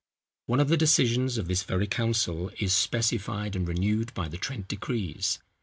One of the decisions of this very council is specified and renewed by the Trent decrees.